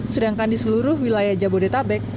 sedangkan di seluruh wilayah jabodetabek